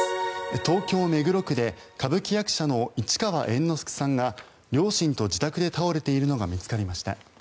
東京・目黒区で歌舞伎役者の市川猿之助さんが両親と自宅で倒れているのが見つかりました。